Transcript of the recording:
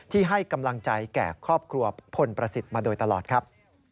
ให้กำลังใจแก่ครอบครัวพลประสิทธิ์มาโดยตลอดครับ